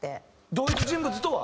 同一人物とは？